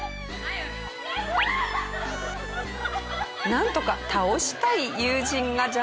なんとか倒したい友人が邪魔しても。